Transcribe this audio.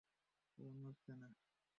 ও নড়ছে না।